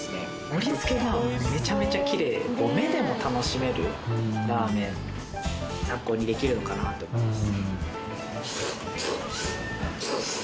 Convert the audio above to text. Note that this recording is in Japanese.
盛りつけがメチャメチャキレイ目でも楽しめるラーメン参考にできるのかなって思います